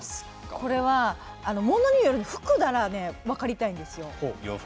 これはものによる服なら分かりたいんですよ。